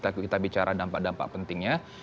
tapi kita bicara dampak dampak pentingnya